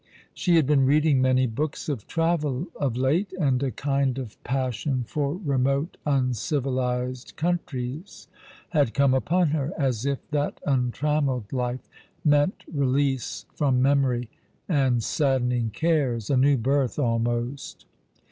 She had been reading many books of travel of late, and a kind of passion for remote uncivilized countries had come upon her ; as if that untrammelled life meant release from memory and saddening cares — a new birth almost.